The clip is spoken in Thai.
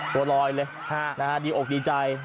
ตัวลอยเลยดีอกดีใจ